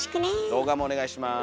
動画もお願いします。